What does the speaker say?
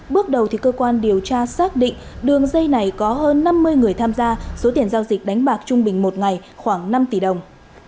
bước đầu cơ quan điều tra xác định đường dây này có hơn năm mươi người tham gia số tiền giao dịch đánh bạc trung bình một ngày khoảng năm tỷ đồng